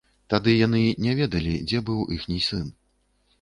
Тады яны не ведалі, дзе быў іхні сын.